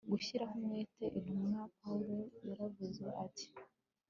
gushyiraho umwete Intumwa Pawulo yaravuze ati